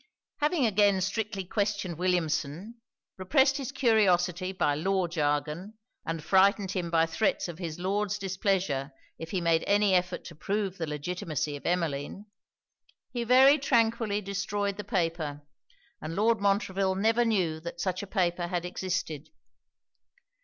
Having again strictly questioned Williamson; repressed his curiosity by law jargon; and frightened him by threats of his Lord's displeasure if he made any effort to prove the legitimacy of Emmeline; he very tranquilly destroyed the paper, and Lord Montreville never knew that such a paper had existed.